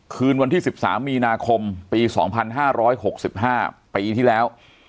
คืนวันที่๑๓มีนาคมปี๒๕๖๕ปีที่แล้ว